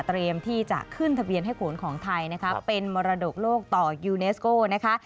ที่จะขึ้นทะเบียนให้ขนของไทยนะคะเป็นมรดกโลกต่อยูเนสโก้นะคะ